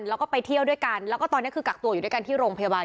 แล้วก็ไปเที่ยวด้วยกันแล้วก็ตอนนี้คือกักตัวอยู่ด้วยกันที่โรงพยาบาล